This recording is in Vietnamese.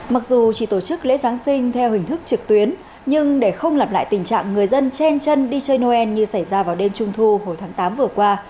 mặc dù chỉ tổ chức lễ giáng sinh theo hình thức trực tuyến nhưng để không lặp lại tình trạng người dân chen chân đi chơi noel như xảy ra vào đêm trung thu hồi tháng tám vừa qua